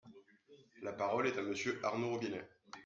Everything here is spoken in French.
La parole est à Monsieur Arnaud Robinet.